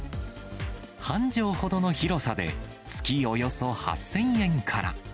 半畳ほどの広さで、月およそ８０００円から。